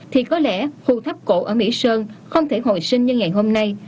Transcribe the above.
thì có lẽ khu tháp cổ ở mỹ sơn không thể hồi sinh như ngày hôm nay